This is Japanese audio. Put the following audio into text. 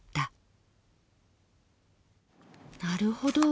なるほど。